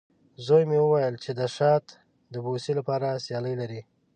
زوی مې وویلې، چې د شات د بوسې لپاره سیالي لري.